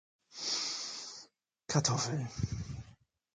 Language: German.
Kartoffeln.